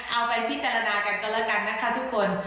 เอาไปพิจารณากันก็แล้วกันนะคะทุกคน